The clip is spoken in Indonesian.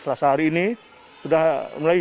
selasa hari ini sudah mulai